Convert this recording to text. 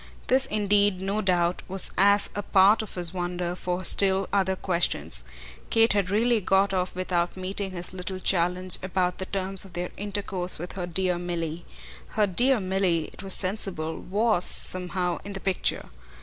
This indeed, no doubt, was as a part of his wonder for still other questions. Kate had really got off without meeting his little challenge about the terms of their intercourse with her dear Milly. Her dear Milly, it was sensible, WAS somehow in the picture.